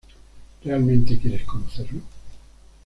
Realmente quieres conocerlo?